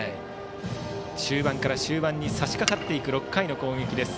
中盤から終盤にさしかかっていく６回の攻撃です。